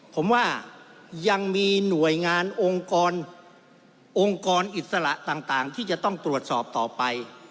ผมว่ายังมีหน่วยงานองค์กรองค์กรอิสระต่างที่จะต้องตรวจสอบต่อไป